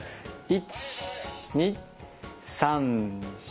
１２３４